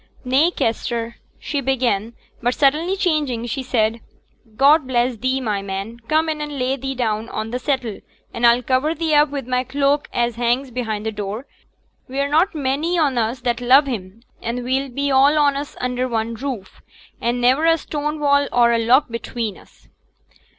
'Nay, Kester ' she began; but suddenly changing, she said, 'God bless thee, my man; come in and lay thee down on t' settle, and I'll cover thee up wi' my cloak as hangs behind t' door. We're not many on us that love him, an' we'll be all on us under one roof, an' niver a stone wall or a lock betwixt us.'